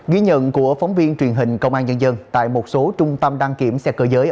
ghi nhận của phóng viên truyền hình công an nhân dân tại một số trung tâm đăng kiểm xe cơ giới